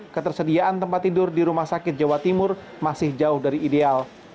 ketersediaan tempat tidur di rumah sakit jawa timur masih jauh dari ideal